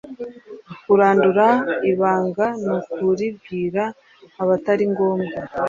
kurandura ibanga nukuribwira abataringombwa